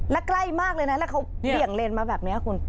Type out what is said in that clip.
และใกล้มากเลยนะแล้วเขาเบี่ยงเลนมาแบบนี้คุณ